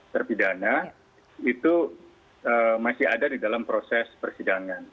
terpidana itu masih ada di dalam proses persidangan